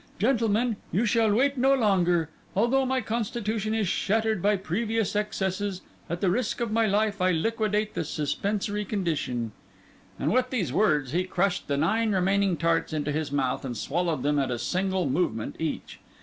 Gentlemen, you shall wait no longer. Although my constitution is shattered by previous excesses, at the risk of my life I liquidate the suspensory condition." With these words he crushed the nine remaining tarts into his mouth, and swallowed them at a single movement each.